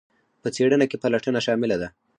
په څیړنه کې پلټنه شامله ده.